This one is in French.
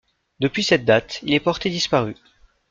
Depuis cette date, il est porté disparu.